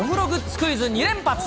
クイズ２連発。